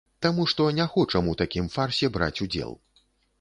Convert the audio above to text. Таму што не хочам у такім фарсе браць удзел.